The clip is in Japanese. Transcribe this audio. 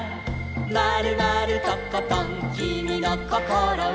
「まるまるとことんきみのこころは」